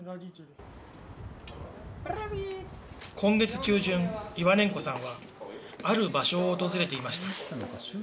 今月中旬、イワネンコさんは、ある場所を訪れていました。